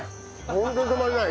ホントに止まんない。